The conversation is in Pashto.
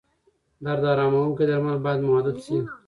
درد اراموونکي درمل باید محدود شي.